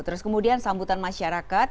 terus kemudian sambutan masyarakat